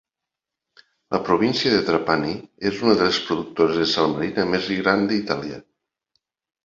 La província de Trapani és una de les productores de sal marina més gran d'Itàlia.